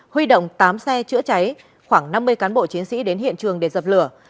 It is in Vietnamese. huy động tám xe chữa cháy khoảng năm mươi cán bộ chiến sĩ đến hiện trường để dập lửa